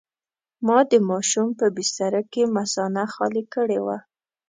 ما د ماشوم په بستره کې مثانه خالي کړې وه.